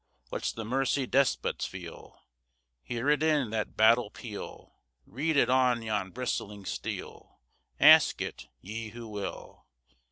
What's the mercy despots feel? Hear it in that battle peal! Read it on yon bristling steel! Ask it, ye who will.